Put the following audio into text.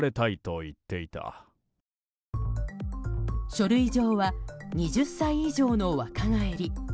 書類上は２０歳以上の若返り。